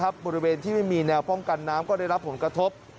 บริเวณที่ไม่มีแนวป้องกันน้ำก็ได้รับผลกระทบ